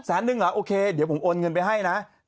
หนึ่งเหรอโอเคเดี๋ยวผมโอนเงินไปให้นะ